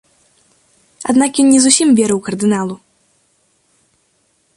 Аднак ён не зусім верыў кардыналу.